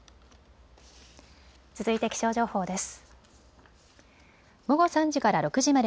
続いて気象情報です。